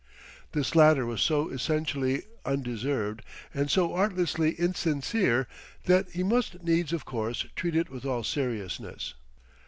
This latter was so essentially undeserved and so artlessly insincere, that he must needs, of course, treat it with all seriousness.